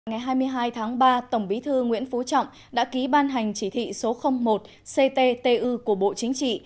ngày hai mươi hai tháng ba tổng bí thư nguyễn phú trọng đã ký ban hành chỉ thị số một cttu của bộ chính trị